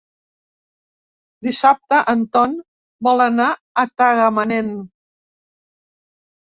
Dissabte en Ton vol anar a Tagamanent.